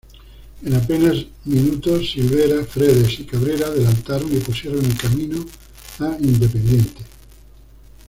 En apenas minutos Silvera, Fredes y Cabrera adelantaron y pusieron en camino a Independiente.